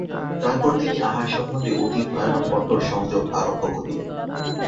তারপর তিনি আহার সম্বন্ধে অতি ভয়ানক কঠোর সংযম আরম্ভ করিলেন।